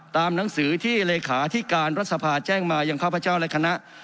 ตามหนังสือที่เลขาที่การรัฐธรรมนุนแม้แจ้งมาอย่างข้าพเจ้าและคณะ